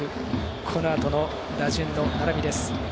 このあとの打順の並びです。